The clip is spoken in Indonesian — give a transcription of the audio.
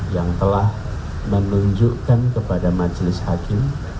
yang telah menunjukkan kepada majelis hakim